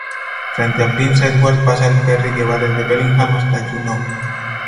Frente a Prince Edward pasa el ferry que va desde Bellingham hasta Juneau.